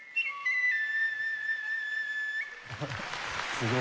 すごい。